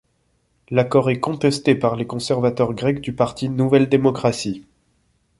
L'accord est contesté par les conservateurs grecs du parti Nouvelle démocratie.